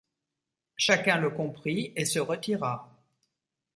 Chacun le comprit et se retira.